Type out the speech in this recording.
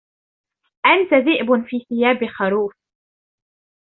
أنت ذئب في ثياب خروف.